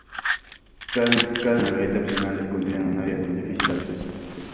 Cada nivel tiene una galleta opcional escondida en un área de difícil acceso.